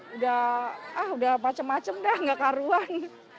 udah ah udah macem macem dah nggak karuan